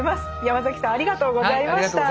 ヤマザキさんありがとうございました。